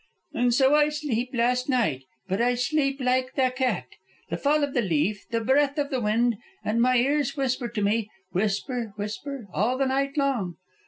"And so I sleep last night. But I sleep like the cat. The fall of the leaf, the breath of the wind, and my ears whisper to me, whisper, whisper, all the night long.